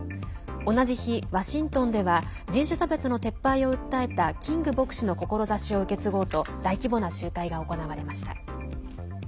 同じ日、ワシントンでは人種差別の撤廃を訴えたキング牧師の志を受け継ごうと大規模な集会が行われました。